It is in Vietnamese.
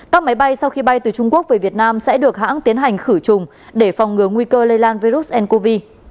các máy bay sau khi bay từ trung quốc về việt nam sẽ được hãng tiến hành khử trùng để phòng ngừa nguy cơ lây lan virus ncov